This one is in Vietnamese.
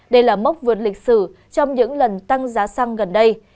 đây là mốc vượt lịch sử trong những lần tăng giá xăng gần đây